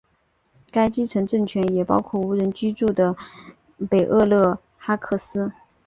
该基层政权也包括无人居住的北厄勒哈克斯。